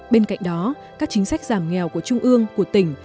bên cạnh đó các chính sách giảm nghèo của trung ương của tỉnh